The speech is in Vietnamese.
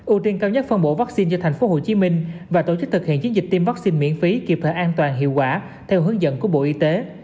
ưu tiên cao nhất phân bổ vaccine cho tp hcm và tổ chức thực hiện chiến dịch tiêm vaccine miễn phí kịp thời an toàn hiệu quả theo hướng dẫn của bộ y tế